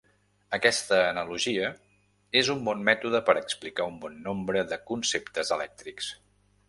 Aquesta analogia és un bon mètode per explicar un bon nombre de conceptes elèctrics.